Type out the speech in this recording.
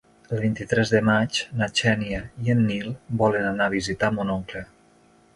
El vint-i-tres de maig na Xènia i en Nil volen anar a visitar mon oncle.